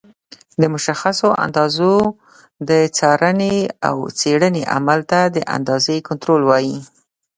د مشخصو اندازو د څارنې او څېړنې عمل ته د اندازې کنټرول وایي.